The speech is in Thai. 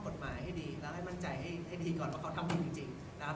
กฎหมายให้ดีแล้วให้มั่นใจให้ดีก่อนว่าเขาทำบุญจริงนะครับ